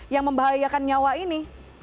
yang membahayakan nyawa ini